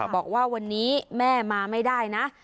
บอกว่าวันนี้แม่มาไม่ได้นะ